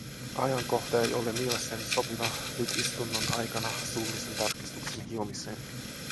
Ajankohta ei ole mielestäni sopiva, nyt istunnon aikana, suullisen tarkistuksen hiomiseen.